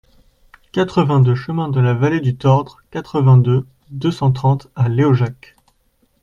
quatre-vingt-deux chemin de la Vallée du Tordre, quatre-vingt-deux, deux cent trente à Léojac